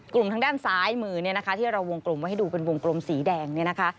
กลุ่มทางด้านซ้ายมือที่เราวงกลมไว้ให้ดูเป็นวงกลมสีแดง